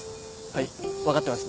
はい分かってます